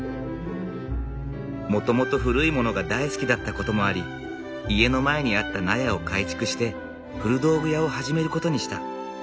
もともと古いものが大好きだったこともあり家の前にあった納屋を改築して古道具屋を始めることにした。